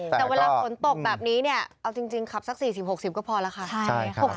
แต่เวลาฝนตกแบบนี้เนี่ยเอาจริงขับสัก๔๐๖๐ก็พอแล้วค่ะ